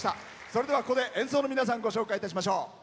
それでは、ここで演奏の皆さんご紹介しましょう。